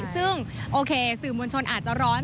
ซึ่งโอเคสื่อมวลชนอาจจะร้อน